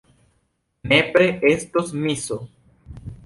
Nepre estos miso.